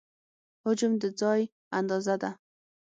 حجم د ځای اندازه ده.